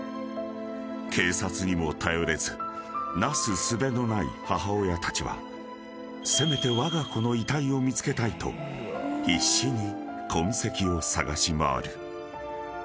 ［警察にも頼れずなすすべのない母親たちはせめてわが子の遺体を見つけたいと必死に痕跡を探し回る］